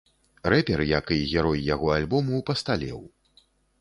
Рэпер, як і герой яго альбому, пасталеў.